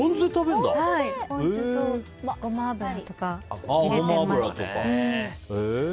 ポン酢とゴマ油とか入れてます。